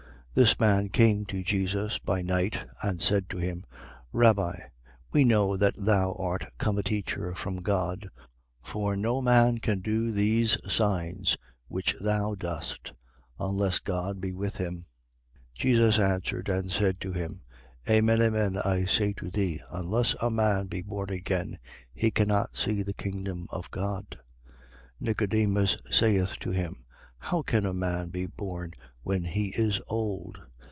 3:2. This man came to Jesus by night and said to him: Rabbi, we know that thou art come a teacher from God; for no man can do these signs which thou dost, unless God be with him. 3:3. Jesus answered and said to him: Amen, amen, I say to thee, unless a man be born again, he cannot see the kingdom of God. 3:4. Nicodemus saith to him: How can a man be born when he is old?